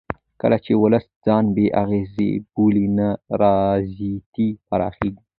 کله چې ولس ځان بې اغېزې وبولي نا رضایتي پراخېږي